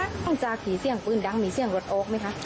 คุณตาขี่เสียงปืนดังมีเสียงรถโอ๊คไหมคะ